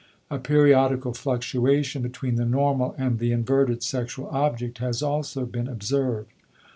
A periodical fluctuation between the normal and the inverted sexual object has also been observed.